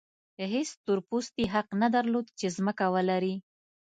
هېڅ تور پوستي حق نه درلود چې ځمکه ولري.